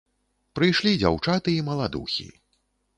Прыйшлі дзяўчаты і маладухі.